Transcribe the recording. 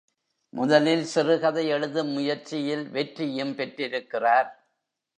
முதலில் சிறுகதை எழுதும் முயற்சியில் வெற்றியும் பெற்றிருக்கிறார்.